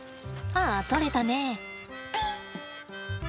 ああ、取れたね。